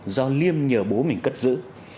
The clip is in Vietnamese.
do liêm nhờ bố mình cất giữ